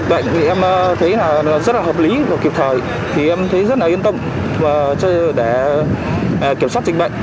thì em thấy rất là yên tâm để kiểm soát dịch bệnh tránh lây lan trong dịch bệnh